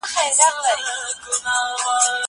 هغه وويل چي زدکړه مهمه ده!؟